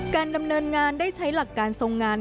การดำเนินงานได้ใช้หลักการทรงงาน